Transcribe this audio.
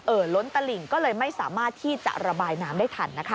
ล้นตลิ่งก็เลยไม่สามารถที่จะระบายน้ำได้ทันนะคะ